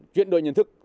chuyển đổi nhận thức